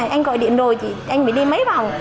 anh gọi điện rồi anh bị đi mấy vòng